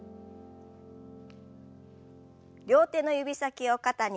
両手の指先を肩に。